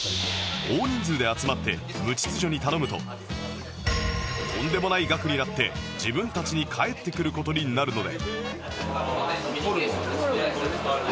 大人数で集まって無秩序に頼むととんでもない額になって自分たちに返ってくる事になるので